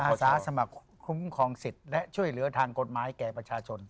อาสาสมัครคุ้มครองสิทธิ์และช่วยเหลือทางกฎหมายแก่ประชาชน